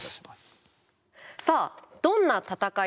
さあどんな戦い